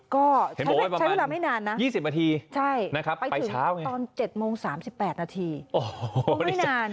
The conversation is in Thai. ก็ใช้เวลาไม่นานนะ๒๐นาทีใช่ไปถึงตอน๗โมง๓๘นาทีไม่นาน